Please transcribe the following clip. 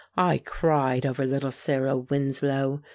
I cried over little Cyril Winslow.